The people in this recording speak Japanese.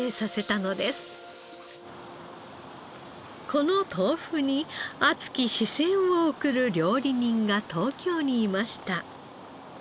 この豆腐に熱き視線を送る料理人が東京にいました。